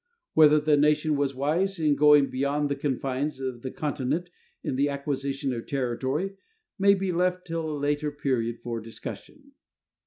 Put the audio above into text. Whether the nation was wise in going beyond the confines of the continent in the acquisition of territory may be left till a later period for discussion.